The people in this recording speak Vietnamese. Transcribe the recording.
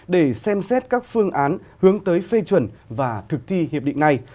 để xem xét các phương án hướng tới phê chuẩn và thực thi hiệp định này